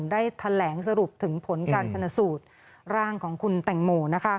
ได้แถลงสรุปถึงผลการชนสูตรร่างของคุณแตงโม